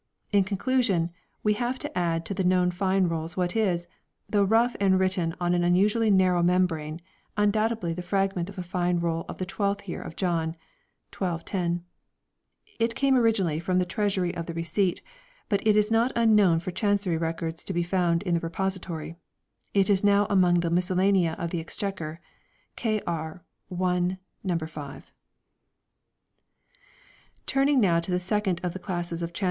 In conclu sion, we have to add to the known Fine Rolls what is, though rough and written on an unusually narrow membrane, undoubtedly the fragment of a Fine Roll of the twelfth year of John (1210); it came originally from the Treasury of the Receipt, but it is not unknown for Chancery Records to be found in that Repository ; it is now among the Miscellanea of the Exchequer, K.R. (i, No. 5). Liberate Rolls Turning now to the second of the classes of Chan RoUs!